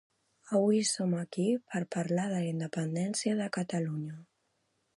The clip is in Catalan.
Avui som aquí per parlar de la independència de Catalunya